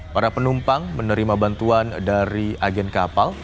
para penumpang menerima bantuan dari agen kapal